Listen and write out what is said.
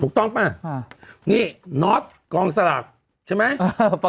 ถูกต้องป่ะนี่น็อตกองสลากใช่ไหม